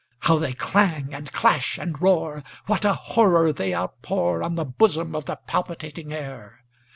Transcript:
How they clang, and clash, and roar! What a horror they outpourOn the bosom of the palpitating air!